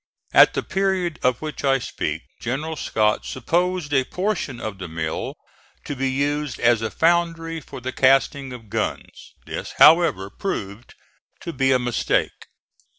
At the period of which I speak General Scott supposed a portion of the mill to be used as a foundry for the casting of guns. This, however, proved to be a mistake.